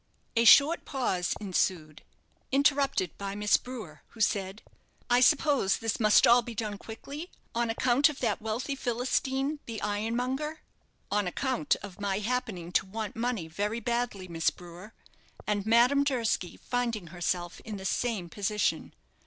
A short pause ensued interrupted by Miss Brewer, who said, "I suppose this must all be done quickly on account of that wealthy Philistine, the ironmonger?" "On account of my happening to want money very badly, Miss Brewer, and Madame Durski finding herself in the same position.